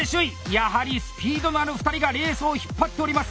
やはりスピードのある２人がレースを引っ張っております。